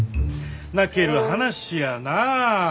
泣ける話やなぁ。